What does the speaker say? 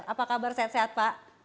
apa kabar sehat sehat pak